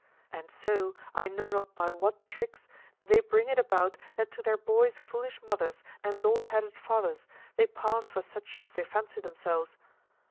And so, I know not by what tricks, they bring it about that to their boys' foolish mothers and dolt headed fathers they pass for such as they fancy themselves.